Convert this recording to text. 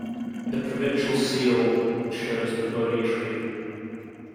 The provincial seal shows the Bodhi tree.